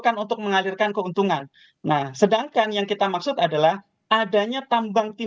kan untuk mengalirkan keuntungan nah sedangkan yang kita maksudnya jika kita membuat perubahan yang terakhir itu adalah hal yang berbeda dengan kita